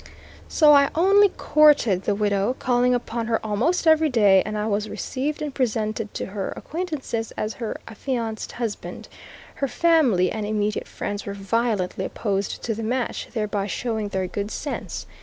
So I only "courted" the widow, calling upon her almost every day, and I was received and presented to her acquaintances as her affianced husband. Her family and immediate friends were violently opposed to the match, thereby showing their good sense.